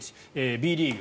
Ｂリーグ